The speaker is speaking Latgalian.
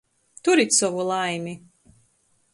Turit sovu laimi!